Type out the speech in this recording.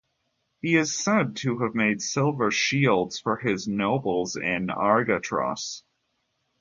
He is said to have made silver shields for his nobles in Argatros.